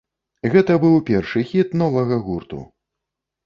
Гэта быў першы хіт новага гурту.